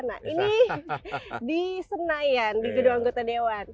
nah ini di senayan di gedung anggota dewan